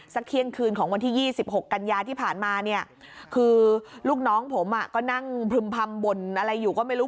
เที่ยงคืนของวันที่๒๖กันยาที่ผ่านมาเนี่ยคือลูกน้องผมก็นั่งพึ่มพำบ่นอะไรอยู่ก็ไม่รู้